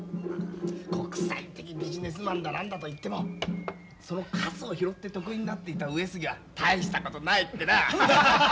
国際的ビジネスマンだ何だと言ってもそのカスを拾って得意になっていた上杉は大したことないってな。